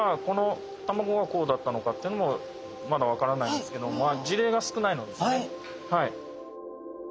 この卵がこうだったのかってのもまだ分からないんですけど事例が少ないのですねはい。